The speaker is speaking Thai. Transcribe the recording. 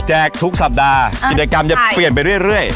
ทุกสัปดาห์กิจกรรมจะเปลี่ยนไปเรื่อย